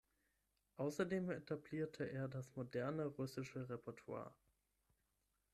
Außerdem etablierte er das moderne russische Repertoire.